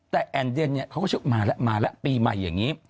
แต่แอนเดนเนี่ยเขาก็เชื่อมาละมาละปีใหม่อย่างงี้